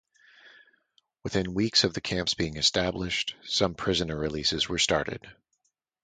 Within weeks of the camps being established, some prisoner releases were started.